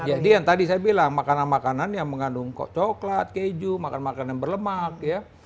jadi yang tadi saya bilang makanan makanan yang mengandung coklat keju makan makanan berlemak ya